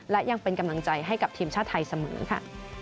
และยังเป็นกำลังใจให้กับทีมชาติไทยเสมอค่ะ